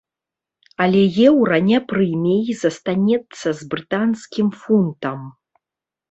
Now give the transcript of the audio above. Але еўра не прыме і застанецца з брытанскім фунтам.